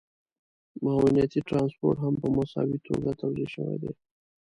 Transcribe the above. معاونيتي ټرانسپورټ هم په مساوي توګه توزیع شوی دی